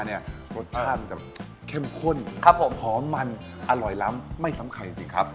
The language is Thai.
รสชาติอาจจะเข้มข้นหอมมันอร่อยล้ำไม่ซ้ำไข่จริงครับ